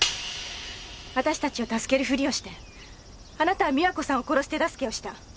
私たちを助けるふりをしてあなたは美和子さんを殺す手助けをした。